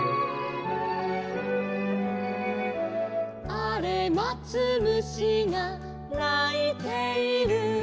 「あれまつ虫がないている」